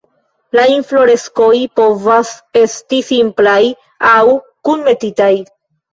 La infloreskoj povas esti simplaj aŭ kunmetitaj.